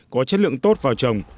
có chất lượng tốt vào trồng